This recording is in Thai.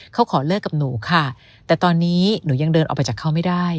เขาขอเลิกกับหนูค่ะแต่ตอนนี้หนูยังเดินออกไปจากเขาไม่ได้